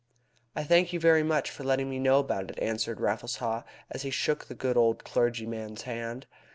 "I thank you very much for letting me know about it," answered Raffles Haw, as he shook the good old clergyman's hand.